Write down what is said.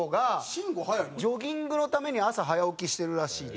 ジョギングのために朝早起きしてるらしい。